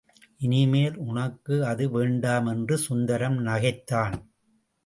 இனிமேல் உனக்கு அது வேண்டாம் என்று சுந்தரம் நகைத்தான்.